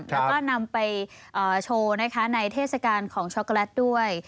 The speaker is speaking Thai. แล้วก็นำไปโชว์นะคะในเทศกาลของช็อกโกแลตด้วย